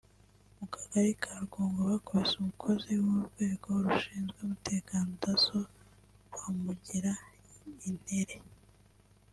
mu kagari ka Rwungo bakubise umukozi w’urwego rushinzwe umutekano (Dasso) bamugira intere